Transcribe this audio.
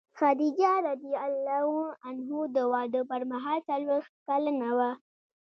خدیجه رض د واده پر مهال څلوېښت کلنه وه.